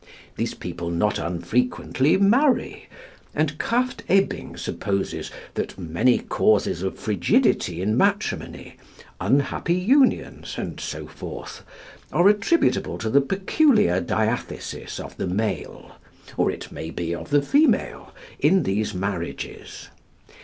These people not unfrequently marry; and Krafft Ebing supposes that many cases of frigidity in matrimony, unhappy unions, and so forth, are attributable to the peculiar diathesis of the male or it may be, of the female in these marriages.